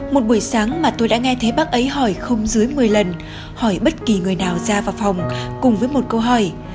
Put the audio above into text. một buổi sáng mà tôi đã nghe thấy bác ấy hỏi không dưới một mươi lần hỏi bất kỳ người nào ra vào phòng cùng với một câu hỏi